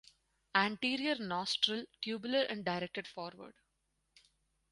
Anterior nostril tubular and directed forward.